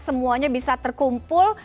semuanya bisa terkumpul